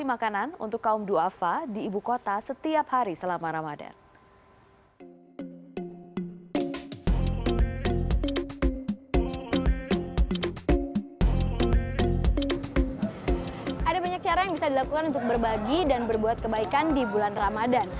banyak cara yang bisa dilakukan untuk berbagi dan berbuat kebaikan di bulan ramadan